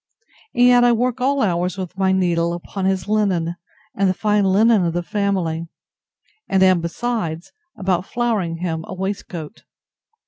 And yet I work all hours with my needle, upon his linen, and the fine linen of the family; and am, besides, about flowering him a waistcoat.